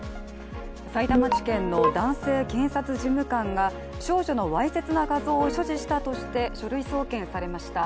さいたま地検の男性検察事務官が少女のわいせつな画像を所持したとして書類送検されました。